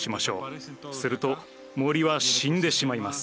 すると森は死んでしまいます。